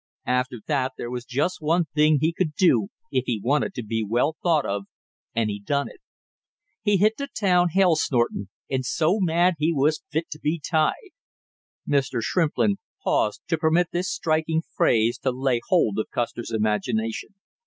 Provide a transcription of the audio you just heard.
After that there was just one thing he could do if he wanted to be well thought of, and he done it. He hit the town hell snorting, and so mad he was fit to be tied." Mr. Shrimplin paused to permit this striking phrase to lay hold of Custer's imagination.